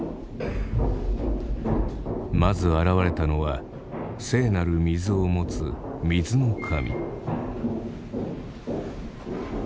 まず現れたのは聖なる水を持つ水の神。